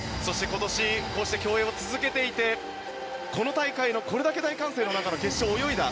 今年こうして競泳を続けていてこの大会のこれだけ大歓声の中の決勝を泳いだ。